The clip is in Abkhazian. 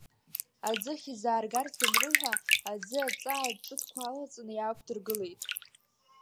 Аӡыхь изааргарц данрыҳәа, аӡы, аҵаа ҿыҭқәа алаҵаны, иаақәдыргылеит.